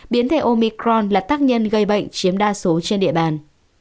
biến thể omicron là tác nhân gây bệnh chiếm đa số trên địa bàn